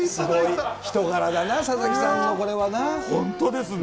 人柄だな、佐々木さんの、本当ですね。